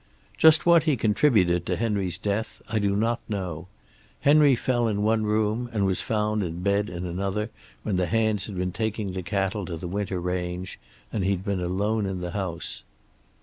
"Just what he contributed to Henry's death I do not know. Henry fell in one room, and was found in bed in another when the hands had been taking the cattle to the winter range, and he'd been alone in the house.